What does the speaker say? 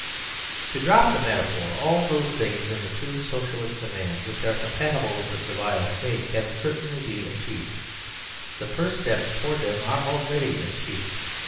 To drop the metaphor, all those things in the true 125 THE SERVILE STATE Socialist's demand which are compatible with the Servile State can certainly be achieved. The first steps towards them are already achieved.